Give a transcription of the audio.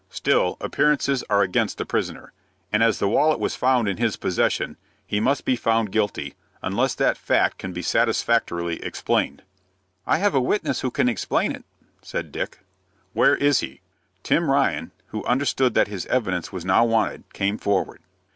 "Still, appearances are against the prisoner, and as the wallet was found in his possession, he must be found guilty, unless that fact can be satisfactorily explained." "I have a witness who can explain it," said Dick. "Where is he?" Tim Ryan, who understood that his evidence was now wanted, came forward.